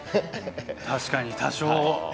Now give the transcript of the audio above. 確かに多生。